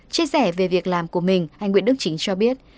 chia sẻ về việc làm của mình anh nguyễn đức chính cho biết